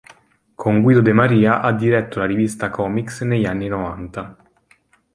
Con Guido De Maria ha diretto la rivista Comix negli anni Novanta.